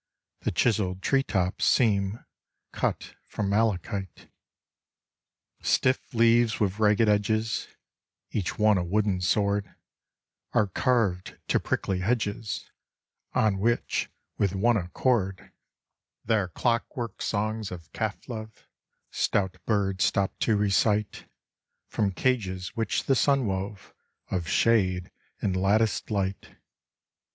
The chiselled tree tops Seem cut from malachite. Stiff leaves with ragged edges (Each one a wooden sword) Are carved to prickly hedges, On which, with one accord, i8 De Luxe. Their clock work songs of calf love Stout birds stop to recite, From cages which the sun wove Of shade and latticed light.